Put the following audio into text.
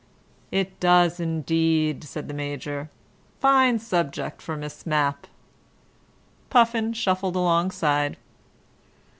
"It does indeed," said the Major. "Fine subject for Miss Mapp." Puffin shuffled alongside.